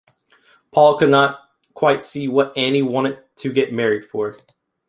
Paul could not quite see what Annie wanted to get married for.